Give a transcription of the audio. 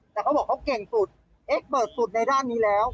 แต่เขาบอกเขาเก่งสุดเอ๊ะเบิร์ดสุดในด้านนี้แล้ว